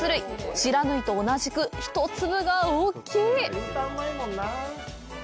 不知火と同じく一粒が大きい！